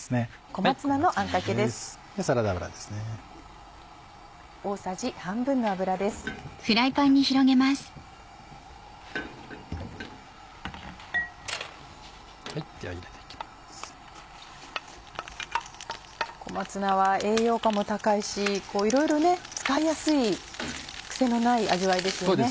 小松菜は栄養価も高いしいろいろ使いやすい癖のない味わいですよね。